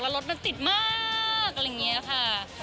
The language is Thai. รถมันติดมากอะไรอย่างนี้ค่ะ